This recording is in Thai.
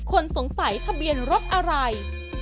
คนสงสัยทะเบียนรถอะไร